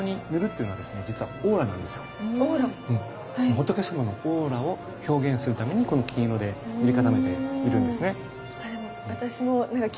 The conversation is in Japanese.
仏さまのオーラを表現するためにこの金色で塗り固めているんですね。